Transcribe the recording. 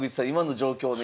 今の状況